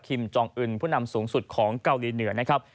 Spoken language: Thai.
จองอื่นผู้นำสูงสุดของเกาหลีเหนือนะครับ